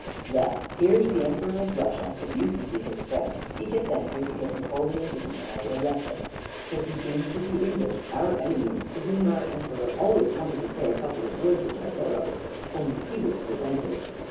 "Well, here's the Emperor of Russia, that used to be his friend, he gets angry because Napoleon didn't marry a Russian; so he joins with the English, our enemies to whom our Emperor always wanted to say a couple of words in their burrows, only he was prevented.